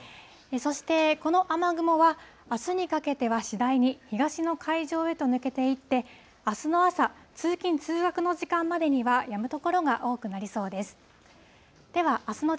そして、この雨雲はあすにかけては、次第に東の海上へと抜けていって、あすの朝、通勤・通学の時間までにはやむ所が多くなりそうです。